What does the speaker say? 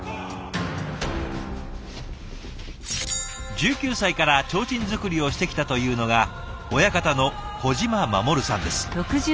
１９歳から提灯作りをしてきたというのが親方の小嶋護さんです。